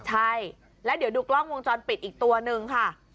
ใช่แล้วเดี๋ยวดูกล้องวงจรปิดอีกตัวนึงค่ะ